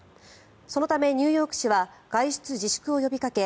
そのため、ニューヨーク市は外出自粛を呼びかけ